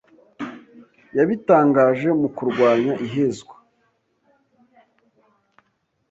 yabitangaje mu kurwanya ihezwa